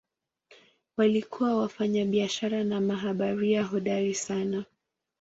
Walikuwa wafanyabiashara na mabaharia hodari sana.